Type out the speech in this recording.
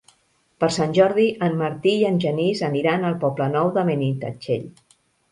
Per Sant Jordi en Martí i en Genís aniran al Poble Nou de Benitatxell.